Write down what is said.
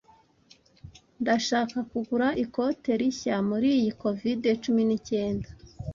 Ndashaka kugura ikote rishya muri iyi covid cumi n'icyenda